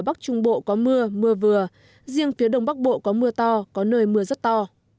bắc trung bộ có mưa mưa vừa riêng phía đông bắc bộ có mưa to có nơi mưa rất to